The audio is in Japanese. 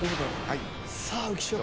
さあ浮所君。